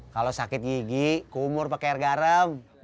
kalau sakit gigi kumur pakai air garam